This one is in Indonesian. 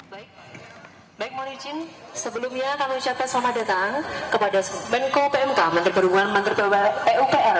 baik baik mohon izin sebelumnya kami ucapkan selamat datang kepada menko pmk menteri perhubungan menteri pupr